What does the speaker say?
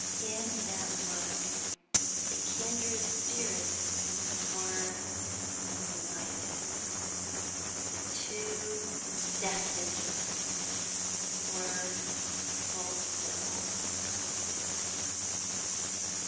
In that look the kindred spirits were united; The Two Destinies were fulfilled.